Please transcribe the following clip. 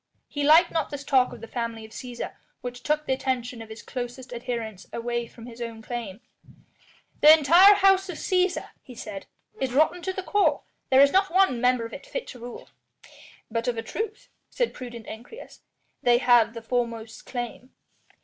He liked not this talk of the family of Cæsar which took the attention of his closest adherents away from his own claim. "The entire House of Cæsar," he said, "is rotten to the core. There is not one member of it fit to rule." "But of a truth," said prudent Ancyrus, "they have the foremost claim."